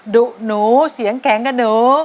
ดุหนูเสียงแข็งกับหนู